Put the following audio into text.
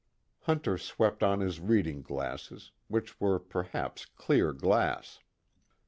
Hunter swept on his reading glasses, which were perhaps clear glass.